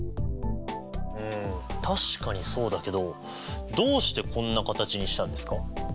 確かにそうだけどどうしてこんな形にしたんですか？